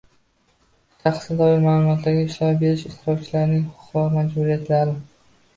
Shaxsga doir ma’lumotlarga ishlov berish ishtirokchilarining huquq va majburiyatlari